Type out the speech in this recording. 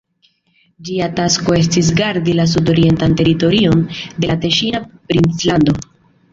Ĝia tasko estis gardi la sudorientan teritorion de la Teŝina princlando.